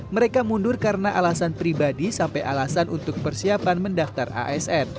mereka mundur karena alasan pribadi sampai alasan untuk persiapan mendaftar asn